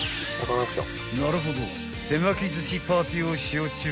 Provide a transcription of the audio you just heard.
［なるほど手巻きずしパーティーをしよう